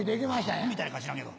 アホみたいかは知らんけど。